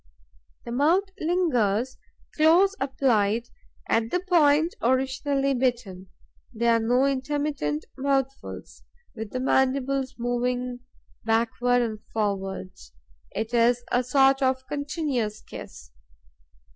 The mouth lingers, close applied, at the point originally bitten. There are no intermittent mouthfuls, with the mandibles moving backwards and forwards. It is a sort of continuous kiss.